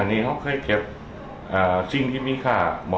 ก็อันนั้นพวกเคยเก็บสิ่งที่มีค่าบอ